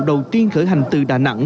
đầu tiên khởi hành từ đà nẵng